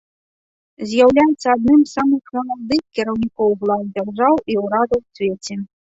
З'яўляецца адным з самых маладых кіраўнікоў глаў дзяржаў і ўрадаў у свеце.